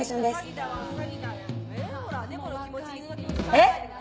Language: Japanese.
えっ！？